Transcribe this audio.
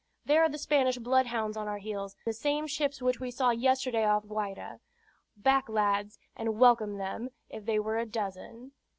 "There are the Spanish bloodhounds on our heels, the same ships which we saw yesterday off Guayra. Back, lads, and welcome them, if they were a dozen."